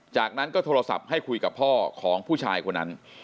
จากนั้นก็โทรศัพท์ให้คุยกับพ่อของผู้ชายคนนั้น